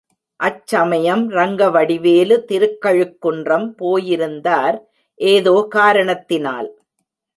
அச்சமயம் ரங்கவடிவேலு திருக்கழுக்குன்றம் போயிருந்தார் ஏதோ காரணத்தினால்.